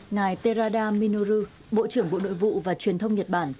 ngài terada minoru bộ trưởng bộ nội vụ và truyền thông nhật bản